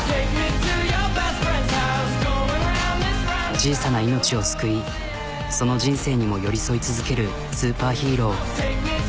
小さな命を救いその人生にも寄り添い続けるスーパーヒーロー。